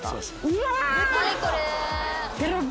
うわ！